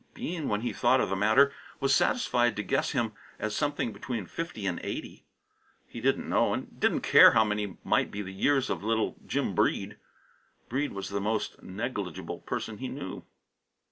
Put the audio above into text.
Bean, when he thought of the matter, was satisfied to guess him as something between fifty and eighty. He didn't know and didn't care how many might be the years of little Jim Breede. Breede was the most negligible person he knew.